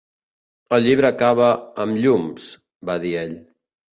El llibre acaba amb "Llums", va dir ell.